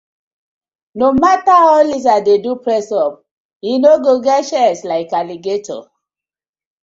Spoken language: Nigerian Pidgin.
No matter how lizard dey do press up e no go get chest like alligator: